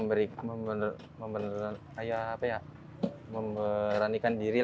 evan sudah memperberanikan diri